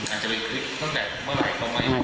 อาจจะเป็นคลิปตั้งแต่เมื่อไหร่ประมาณนี้